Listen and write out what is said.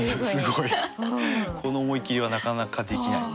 この思い切りはなかなかできない。